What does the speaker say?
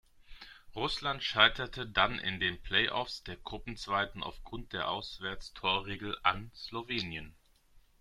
Russland scheiterte dann in den Playoffs der Gruppenzweiten aufgrund der Auswärtstorregel an Slowenien.